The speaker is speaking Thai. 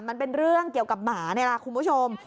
มันเป็นเรื่องเกี่ยวกับหมานี่แหละคุณผู้ชม